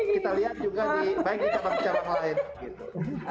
kita lihat juga baik di cabang cabang lain gitu